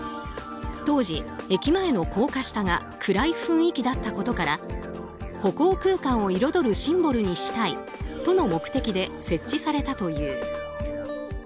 当時、駅前の高架下が暗い雰囲気だったことから歩行空間を彩るシンボルにしたいとの目的で設置されたという。